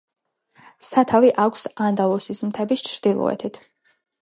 სათავე აქვს ანდალუსიის მთების ჩრდილოეთით.